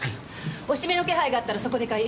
押目の気配があったらそこで買い。